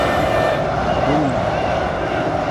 بومنی